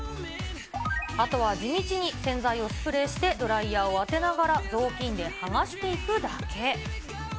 あとは地道に洗剤をスプレーしてドライヤーを当てながら、雑巾で剥がしていくだけ。